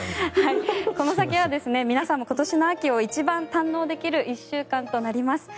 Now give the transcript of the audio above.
この先は皆さんも今年の秋を一番堪能できる１週間となります。